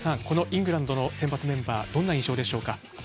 イングランドの先発メンバーどんな印象ですか。